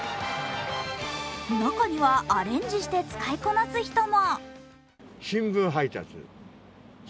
中にはアレンジして使いこなす人も。